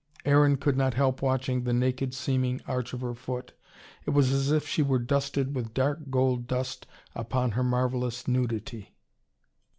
Aaron could not help watching the naked seeming arch of her foot. It was as if she were dusted with dark gold dust upon her marvellous nudity.